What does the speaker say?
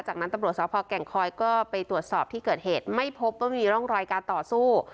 จากนั้นตำรวจสพแก่งคอยก็ไปตรวจสอบที่เกิดเหตุไม่พบว่ามีร่องรอยการต่อสู้